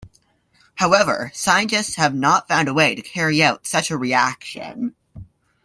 However, scientists have not found a way to carry out such a reaction.